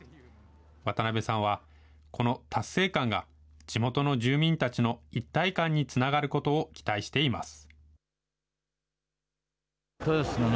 渡辺さんは、この達成感が地元の住民たちの一体感につながることを期待しています。